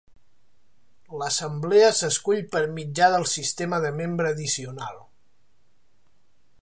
L"assemblea s"escull per mitjà del sistema de membre addicional.